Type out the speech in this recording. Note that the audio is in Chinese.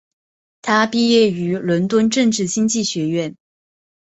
他毕业于伦敦政治经济学院。